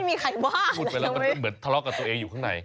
มันเป็นเหมือนทัลอกกับตัวเองอยู่ข้างใน